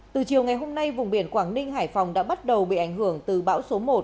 từ chiều ngày hôm nay vùng biển quảng ninh hải phòng đã bắt đầu bị ảnh hưởng từ bão số một